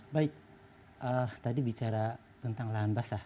baik tadi bicara tentang lahan basah